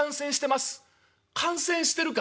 「感染してるか！